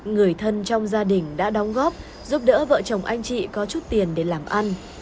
người thân trong gia đình đã đóng góp giúp đỡ vợ chồng anh chị có chút tiền để làm ăn